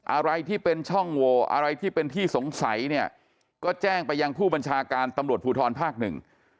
อะไรที่เป็นช่องโวอะไรที่เป็นที่สงสัยเนี่ยก็แจ้งไปยังผู้บัญชาการตำรวจภูทรภาคหนึ่ง